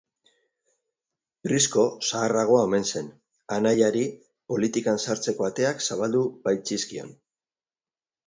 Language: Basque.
Prisko zaharragoa omen zen, anaiari politikan sartzeko ateak zabaldu baitzizkion.